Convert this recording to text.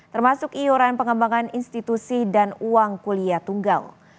termasuk iuran pengembangan institusi dan uang kuliah tunggal